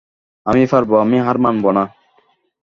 আমি পারব, আমি হার মানব না।